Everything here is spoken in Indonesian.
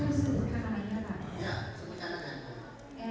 ya sebutkan nama nya